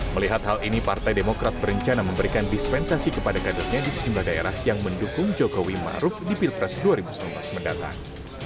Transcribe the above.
melihat hal ini partai demokrat berencana memberikan dispensasi kepada kadernya di sejumlah daerah yang mendukung jokowi ⁇ maruf ⁇ di pilpres dua ribu sembilan belas mendatang